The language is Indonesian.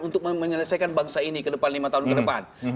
untuk menyelesaikan bangsa ini ke depan lima tahun ke depan